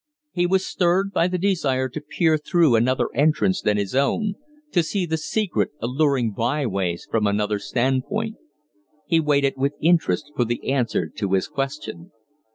He was stirred by the desire to peer through another entrance than his own, to see the secret, alluring byways from another stand point. He waited with interest for the answer to his question.